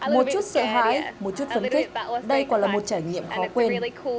một chút sợ hãi một chút phấn khích đây quả là một trải nghiệm khó quên